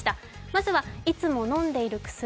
まずはいつも飲んでいる薬